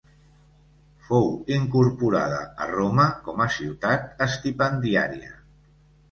Fou incorporada a Roma com a ciutat estipendiaria.